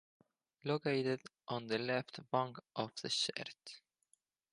Located on the left bank of the Seret.